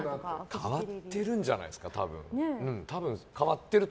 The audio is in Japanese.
変わってるんじゃないですか？